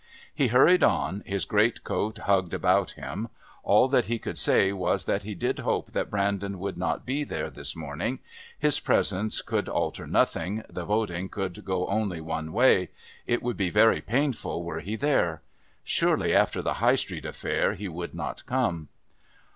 He hurried on, his great coat hugged about him. All that he could say was that he did hope that Brandon would not be there this morning. His presence could alter nothing, the voting could go only one way. It would be very painful were he there. Surely after the High Street affair he would not come.